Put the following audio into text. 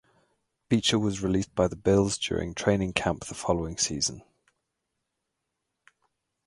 Beecher was released by the Bills during training camp the following season.